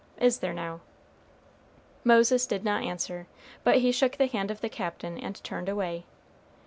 Is there, now?" Moses did not answer, but he shook the hand of the Captain and turned away.